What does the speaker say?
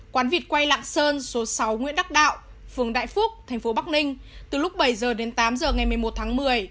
quán vịt quay lạng sơn số sáu nguyễn đắc đạo phường đại phúc thành phố bắc ninh từ lúc bảy h đến tám h ngày một mươi một tháng một mươi